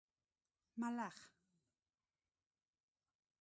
🦗 ملخ